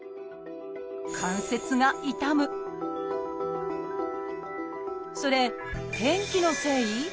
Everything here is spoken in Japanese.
関節が痛むそれ天気のせい？